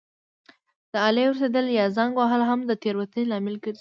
د آلې ورستېدل یا زنګ وهل هم د تېروتنې لامل ګرځي.